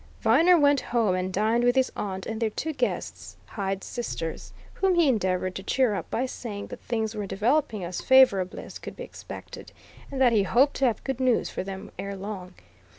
Viner went home and dined with his aunt and their two guests, Hyde's sisters, whom he endeavoured to cheer up by saying that things were developing as favourably as could be expected, and that he hoped to have good news for them ere long.